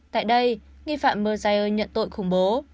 tại đây nghi phạm mosier nhận tội khủng bố